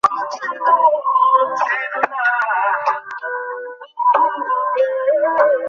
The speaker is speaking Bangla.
এই অচেনাত্মক জগতের মধ্যে সেই পুরুষই একমাত্র চেতন।